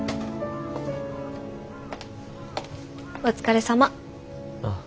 お疲れさま。